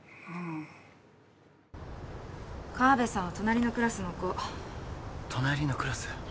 カワベさんは隣のクラスの子隣のクラス？